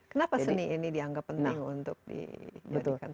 kenapa seni ini dianggap penting untuk dijadikan